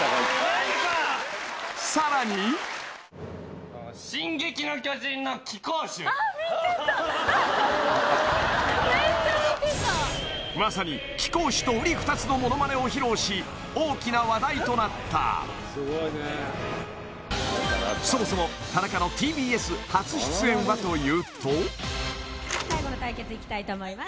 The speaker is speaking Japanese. さらに「進撃の巨人」の奇行種まさに奇行種と瓜二つのモノマネを披露し大きな話題となったそもそも田中のＴＢＳ初出演はというと最後の対決いきたいと思います